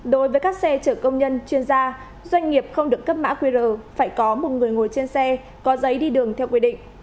đối với các xe chở công nhân chuyên gia doanh nghiệp không được cấp mã qr phải có một người ngồi trên xe có giấy đi đường theo quy định